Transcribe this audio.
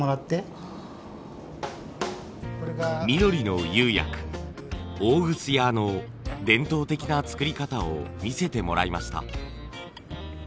緑の釉薬オーグスヤーの伝統的な作り方を見せてもらいました。